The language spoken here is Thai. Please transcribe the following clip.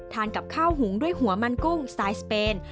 กับข้าวหุงด้วยหัวมันกุ้งสไตล์สเปน